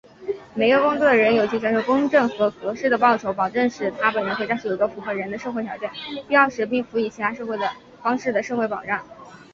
每一个工作的人,有权享受公正和合适的报酬,保证使他本人和家属有一个符合人的生活条件,必要时并辅以其他方式的社会保障。